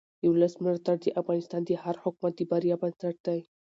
د ولس ملاتړ د افغانستان د هر حکومت د بریا بنسټ دی